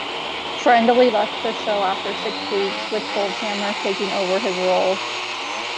Friendly left the show after six weeks, with Goldhammer taking over his role.